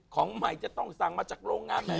ของใหม่จะต้องสั่งมาจากโรงงานไหน